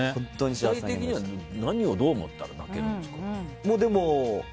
具体的には何をどう思ったら泣けるんですか。